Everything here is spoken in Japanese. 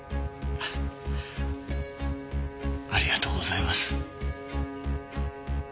ありがとうございます。